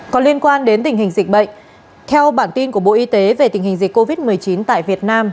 có liên quan đến tình hình dịch bệnh theo bản tin của bộ y tế về tình hình dịch covid một mươi chín tại việt nam